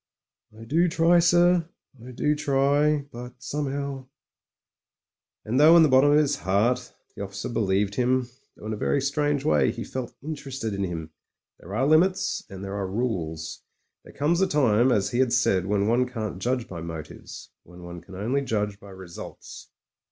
*T do try, sir — I do try; but some'ow " And though in the bottom of his heart the officer believed him, though in a very strange way he felt interested in him, there are limits and there are rules. There comes a time, as he had said, when one can't judge by motives, when one can only judge by results.